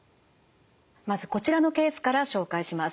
まずこちらのケースから紹介します。